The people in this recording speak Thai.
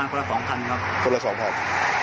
ท้องพรุ่งคือคนละสองครับ